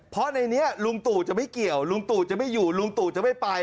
เพราะในนี้ลุงตู่จะไม่เกี่ยวลุงตู่จะไม่อยู่ลุงตู่จะไม่ไป